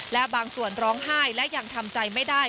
และบางส่วนร้องไห้และยังทำใจไม่ได้